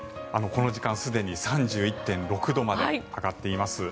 この時間すでに３１．６度まで上がっています。